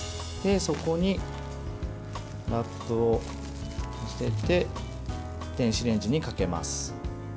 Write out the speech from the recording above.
そこに、ラップを載せて電子レンジにかけます。